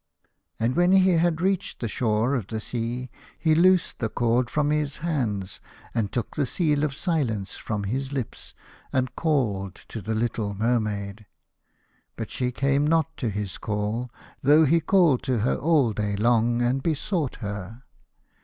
And when he had reached the shore of the sea, he loosed the cord from his hands, and took the seal of silence from his lips, and called to the little Mermaid. But she came not to his call, though he called to her all day lonof and besought her.